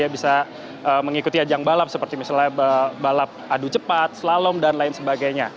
bisa mengikuti ajang balap seperti misalnya balap adu cepat slalom dan lain sebagainya